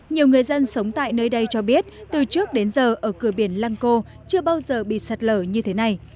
nhiều người dân sống tại nơi đây cho biết từ trước đến giờ ở cửa biển lăng cô chưa bao giờ bị sạt lở như thế này